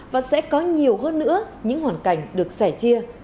và sẽ có nhiều hơn nữa những hoàn cảnh được sẻ chia